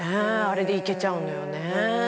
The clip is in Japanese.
あれでいけちゃうのよね。